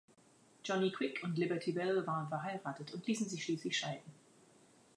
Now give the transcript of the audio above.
Johnny Quick und Liberty Belle waren verheiratet und ließen sich schließlich scheiden.